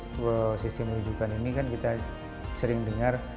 kalau kita bicara tentang sistem wujudkan ini kan kita sering dengar